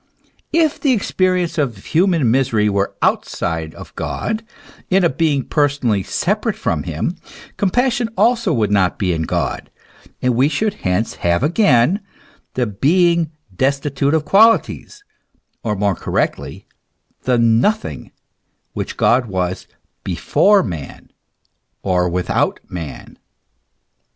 If the experience of human misery were outside of God, in a being personally separate from him, compassion also would not be in God, and we should hence have again the Being destitute of qualities, or more correctly the nothing, which God was before man or without man.